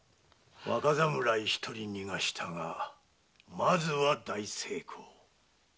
若侍一人逃がしたがまずは大成功。